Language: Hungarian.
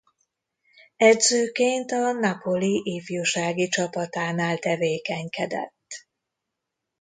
Edzőként a Napoli ifjúsági csapatánál tevékenykedett.